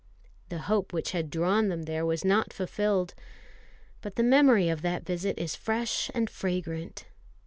The hope which had drawn them there was not fulfilled; but the memory of that visit is fresh and fragrant.